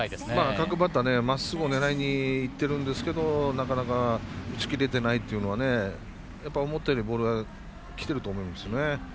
各バッター、まっすぐを狙いにいっているんですがなかなかしきれてないというのは思ったよりボールはきてると思いますね。